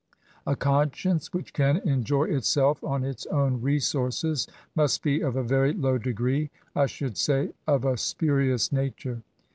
A conscience which can enjoy itself on its own resources, must be of a very low degree — I should say of a spurious nature.